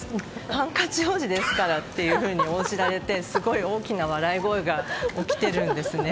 ハンカチ王子ですからって応じられてすごい大きな笑い声が起きているんですね。